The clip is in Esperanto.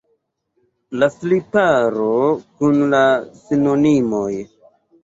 La sliparo kun la sinonimoj.